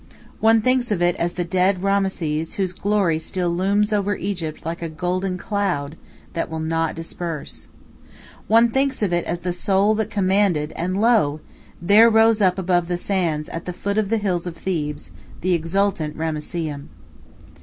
One thinks of it as the dead Rameses whose glory still looms over Egypt like a golden cloud that will not disperse. One thinks of it as the soul that commanded, and lo! there rose up above the sands, at the foot of the hills of Thebes, the exultant Ramesseum.